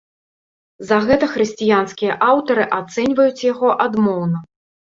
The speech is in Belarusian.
За гэта хрысціянскія аўтары ацэньваюць яго адмоўна.